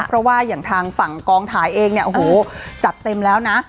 เพราะว่าอย่างทางฝั่งกองถ่ายเองจัดเต็มแล้วนะ